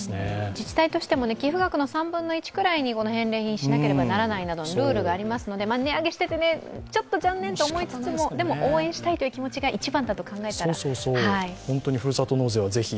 自治体としても寄付額の３分の１くらいに返礼品しなくてはいけないというルールがありますので、値上げしていてちょっと残念と思いつつもでも応援したいという気持ちが一番だと考えたら。